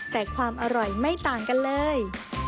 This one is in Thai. แต่ความอร่อยไม่ต่างกันเลย